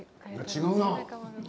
違うなぁ。